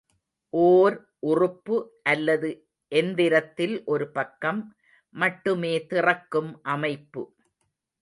ஓர் உறுப்பு அல்லது எந்திரத்தில் ஒரு பக்கம் மட்டுமே திறக்கும் அமைப்பு.